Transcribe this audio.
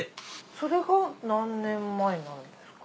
それが何年前なんですか？